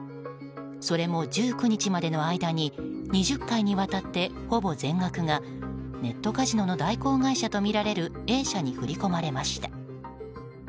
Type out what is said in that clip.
それも１９日までの間に２０回にわたってほぼ全額がネットカジノの代行会社とみられるＡ社に振り込まれました。